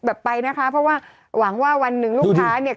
ไปนะคะเพราะว่าหวังว่าวันหนึ่งลูกค้าเนี่ย